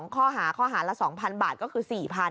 ข้อหาข้อหาละ๒๐๐บาทก็คือ๔๐๐๐